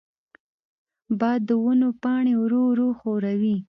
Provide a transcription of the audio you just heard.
باد د ونو پاڼې ورو ورو ښوروي.